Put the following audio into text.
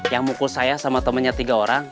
yang mukul saya sama temannya tiga orang